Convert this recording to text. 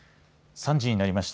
３時になりました。